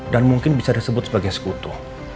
dan mungkin bisa disebut sebagai sekutu